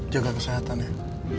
jaga kesehatan ya pak